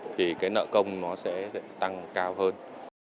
thì cái nợ công nó sẽ tăng cao hơn